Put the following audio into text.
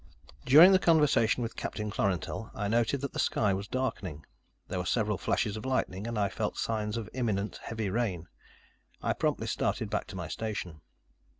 During the conversation with Captain Klorantel, I noted that the sky was darkening. There were several flashes of lightning, and I felt the signs of imminent, heavy rain. I promptly started back to my station.